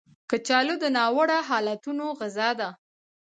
کچالو د ناوړه حالتونو غذا ده